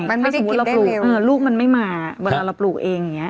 มันไม่ได้กินได้เร็วถ้าสมมุติเราปลูกเออลูกมันไม่มาเวลาเราปลูกเองอย่างเงี้ย